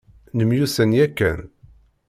Nemyussan yakan.